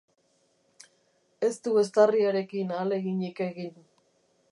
Ez du eztarriarekin ahaleginik egin.